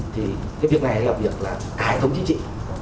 thì cái việc này là việc là hệ thống chính trị